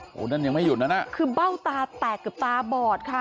โอ้โหนั่นยังไม่หยุดนั้นอ่ะคือเบ้าตาแตกเกือบตาบอดค่ะ